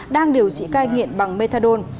đang điều trị cai nghiện bằng methadone